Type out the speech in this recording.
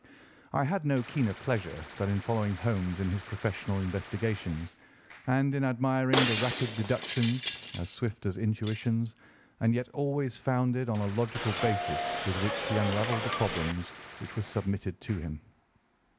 I had no keener pleasure than in following Holmes in his professional investigations, and in admiring the rapid deductions, as swift as intuitions, and yet always founded on a logical basis with which he unravelled the problems which were submitted to him.